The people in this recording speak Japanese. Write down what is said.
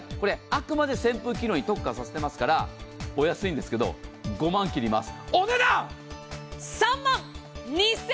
あくまで扇風機能に特化していますからお安いんですけど、５万切ります。